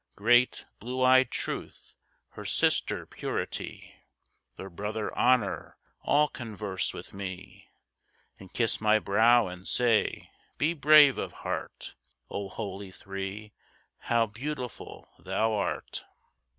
Great, blue eyed Truth, her sister Purity, Their brother Honour, all converse with me, And kiss my brow, and say, "Be brave of heart!" O holy three! how beautiful thou art!